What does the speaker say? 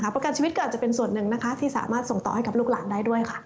ประกันชีวิตก็อาจจะเป็นส่วนหนึ่งนะคะที่สามารถส่งต่อให้กับลูกหลานได้ด้วยค่ะ